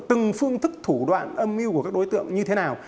từng phương thức thủ đoạn âm mưu của các đối tượng như thế nào